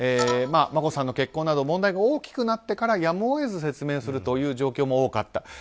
眞子さんの結婚など問題が大きくなってからやむを得ず説明するという状況も多かった。